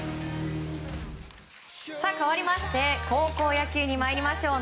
かわりまして高校野球に参りましょう。